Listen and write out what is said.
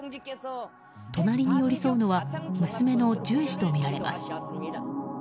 隣に寄り添うのは娘のジュエ氏とみられます。